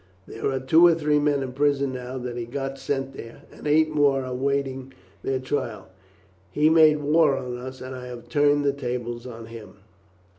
There are two or three men in prison now that he got sent there, and eight more are waiting their trial. He made war on us, and I have turned the tables on him.